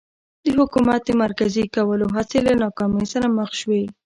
د حکومت د مرکزي کولو هڅې له ناکامۍ سره مخ شوې.